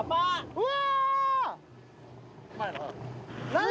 うわ！